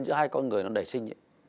chứ hai con người nó đầy sinh